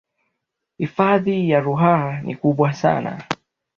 hifadhi ya ruaha ni kubwa sana